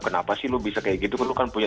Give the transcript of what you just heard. kenapa sih lo bisa kayak gitu kan lo kan punya